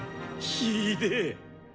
ひでえ！